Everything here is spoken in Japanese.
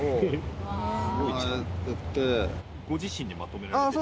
ご自身でまとめられて・ああ